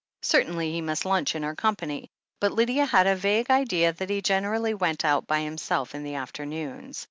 Certainly he must lunch in her company, but Lydia had a vague idea that he generally went out by himself in the afternoons.